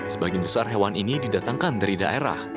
sebagian besar hewan ini didatangkan dari daerah